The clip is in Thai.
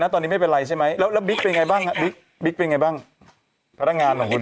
ใช่ไหมแล้วแล้วบิ๊กเป็นไงบ้างบิ๊กบิ๊กเป็นไงบ้างพนักงานของคุณ